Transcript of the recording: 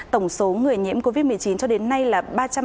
tổng số người nhiễm covid một mươi chín cho đến nay là ba trăm hai mươi chín